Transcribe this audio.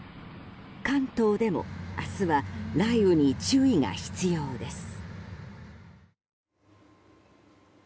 関東でも明日は雷雨に注意が必要です。